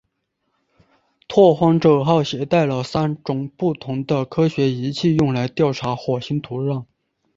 拓荒者号携带了三种不同的科学仪器用来调查火星土壤。